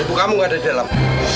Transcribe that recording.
ibu kamu nggak ada di dalam